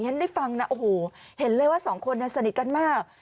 ฉันได้ฟังนะโอ้โหเห็นเลยว่าสองคนสนิทกันมาก